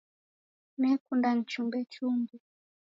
Nekunda nichumbe chumbe